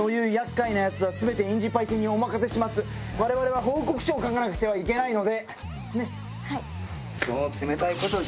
我々は報告書を書かなくてはいけないのでねっ？